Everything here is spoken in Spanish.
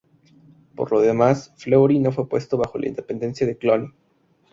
Por lo demás, Fleury no fue puesto bajo la dependencia de Cluny.